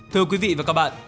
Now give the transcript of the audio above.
thưa quý vị và các bạn